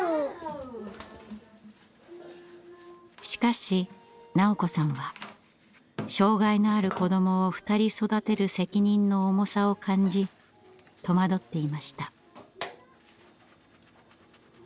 しかし斉子さんは障害のある子どもを２人育てる責任の重さを感じ戸惑っていました。